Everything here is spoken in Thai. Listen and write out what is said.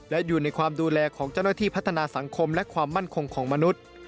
และอยู่ในความดูแลของเจ้าหน้าที่พัฒนาสังคมและความมั่นคงของมนุษย์